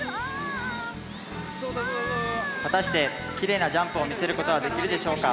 果たしてきれいなジャンプを見せることはできるでしょうか？